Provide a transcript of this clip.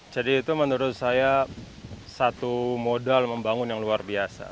itu menurut saya satu modal membangun yang luar biasa